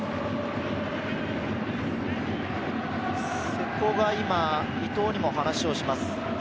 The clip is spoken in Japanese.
瀬古が今、伊藤にも話をします。